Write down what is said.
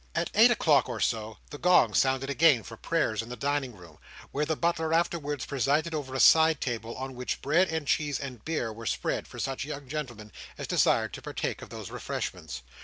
At eight o'clock or so, the gong sounded again for prayers in the dining room, where the butler afterwards presided over a side table, on which bread and cheese and beer were spread for such young gentlemen as desired to partake of those refreshments.